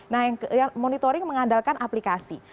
nah monitoring mengandalkan aplikasi